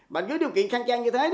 mà với điều kiện khăn trang như thế